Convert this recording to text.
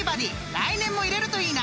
来年もいれるといいな］